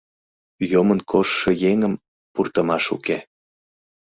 — Йомын коштшо еҥым пуртымаш уке».